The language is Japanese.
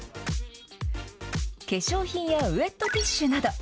化粧品やウエットティッシュなど。